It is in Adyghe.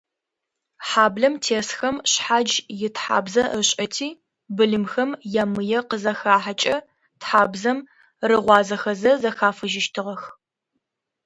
Хьаблэм тесхэм шъхьадж итхьабзэ ышӏэти, былымхэм ямые къызахахьэкӏэ, тхьабзэм рыгъуазэхэзэ зэхафыжьыщтыгъэх.